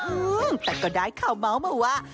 อืมแต่ก็ได้ข่าวเมาส์มาว่า